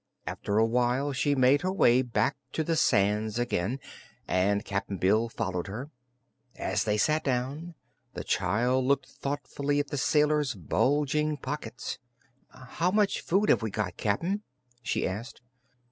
After awhile she made her way back to the sands again, and Cap'n Bill followed her. As they sat down, the child looked thoughtfully at the sailor's bulging pockets. "How much food have we got, Cap'n?" she asked.